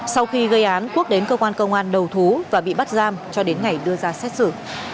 sau khi gây án quốc đến cơ quan công an đầu thú và bị bắt giam cho đến ngày đưa ra xét xử